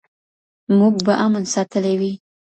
موږ به امن ساتلی وي.